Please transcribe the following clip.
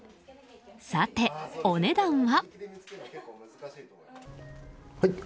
さて、お値段は。